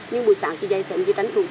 nhưng buổi sáng thì dậy sớm thì tránh thủ